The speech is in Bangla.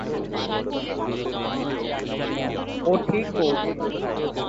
ও ঠিক বলছে।